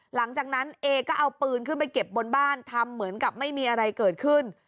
หลังจากนั้นเอก็เอาปืนขึ้นไปเก็บบนบ้านทำเหมือนกับไม่มีอะไรเกิดขึ้น